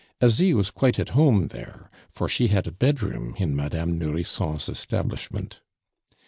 Asie was quite at home there, for she had a bedroom in Madame Nourrisson's establishment.